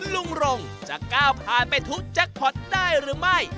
ลุงร่งจะก้าวผ่านไปทุกจักรพรได้หรือไม่